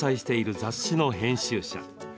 雑誌の編集者。